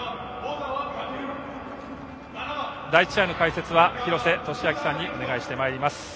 第１試合の解説は廣瀬俊朗さんにお願いしてまいります。